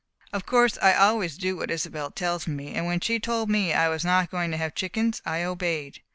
Of course, I always do what Isobel tells me, and when she told me I was not going to have chickens, I obeyed.